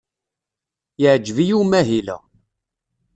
Yeɛjeb-iyi umahil-a.